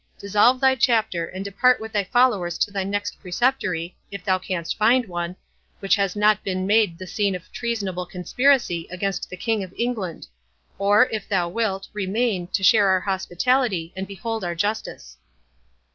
Dissolve thy Chapter, and depart with thy followers to thy next Preceptory, (if thou canst find one), which has not been made the scene of treasonable conspiracy against the King of England—Or, if thou wilt, remain, to share our hospitality, and behold our justice."